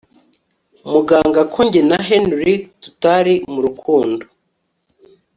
muganga ko njye na Henry tutari murukundo